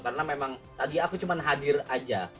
karena memang tadi aku cuma hadir aja